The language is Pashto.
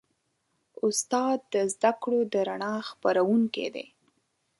استاد د زدهکړو د رڼا خپروونکی دی.